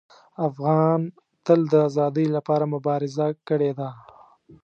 افغان تل د ازادۍ لپاره مبارزه کړې ده.